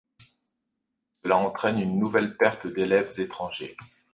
Cela entraîne une nouvelle perte d’élèves étrangers.